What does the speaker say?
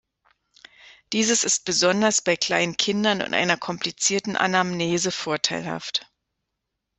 Dieses ist besonders bei kleinen Kindern und einer komplizierten Anamnese vorteilhaft.